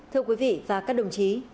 thưa quý vị và các đồng chí